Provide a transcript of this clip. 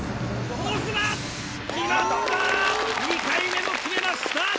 ２回目も決めました！